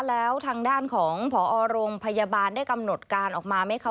แล้วทางด้านของผอโรงพยาบาลได้กำหนดการออกมาไหมคะ